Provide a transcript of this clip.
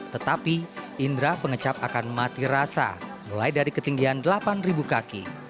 tetapi indera pengecap akan mati rasa mulai dari ketinggian delapan kaki